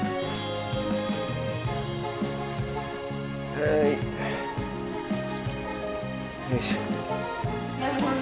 はいよいしょ。